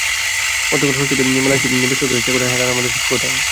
গতকাল সস্ত্রীক মেলায় আসা বেসরকারি চাকুরে হেলাল আহমেদের সঙ্গে কথা হয়।